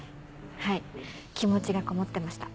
はい気持ちがこもってました。